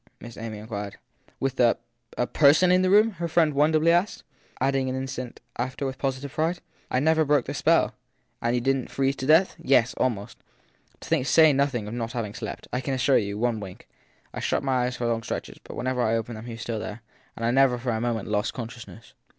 Miss Amy inquired. With a a person in the room ? her friend wonderfully asked ; adding after an instant as with positive pride : I never broke the spell ! i And didn t freeze to death ? Yes, almost. To say nothing of not having slept, I can assure you, one wink. I shut my eyes for long stretches, but whenever I opened them he was still there, and I never for a moment lost consciousness.